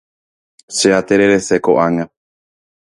Che atererese ko'ág̃a.